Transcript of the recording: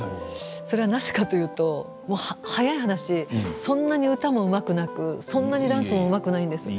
なぜかというと早い話そんな歌もうまくなくダンスもうまくないんです。